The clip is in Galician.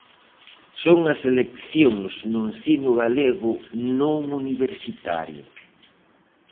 Son as eleccións no ensino galego non universitario.